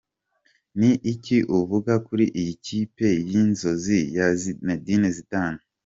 Ni iki uvuga kuri iyi kipe y'inzozi ya Zinedine Zidane?.